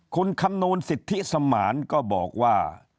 คุณคำนวณสิทธิสมานก็บอกว่า